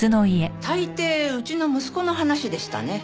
大抵うちの息子の話でしたね。